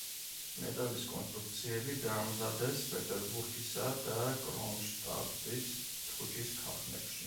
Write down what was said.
მეტალის კონსტრუქციები დაამზადეს პეტერბურგისა და კრონშტადტის თუჯის ქარხნებში.